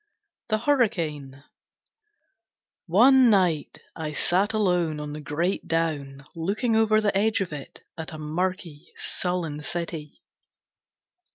The Hurricane One night I sat alone on the great down, looking over the edge of it at a murky, sullen city.